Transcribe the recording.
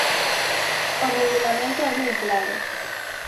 O regulamento é moi claro.